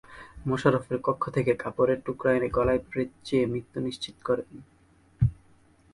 মোশারফের কক্ষ থেকে কাপড়ের টুকরা এনে গলায় পেঁচিয়ে মৃত্যু নিশ্চিত করেন।